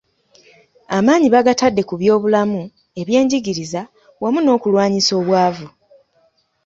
Amaanyi bagatadde ku byobulamu, ebyenjigiriza wamu n'okulwanyisa obwavu.